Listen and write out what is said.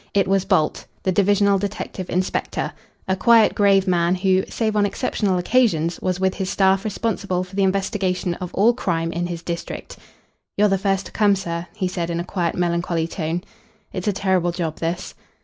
It was Bolt, the divisional detective inspector, a quiet, grave man who, save on exceptional occasions, was with his staff responsible for the investigation of all crime in his district. "You're the first to come, sir," he said in a quiet, melancholy tone. "It's a terrible job, this."